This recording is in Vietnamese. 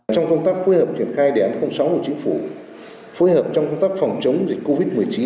trong công tác phối hợp triển khai đề án sáu của chính phủ phối hợp trong công tác phòng chống dịch covid một mươi chín